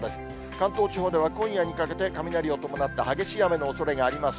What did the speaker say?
関東地方では、今夜にかけて雷を伴った激しい雨のおそれがあります。